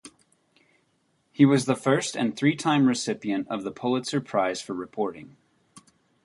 He was the first and three-time recipient of the Pulitzer Prize for Reporting.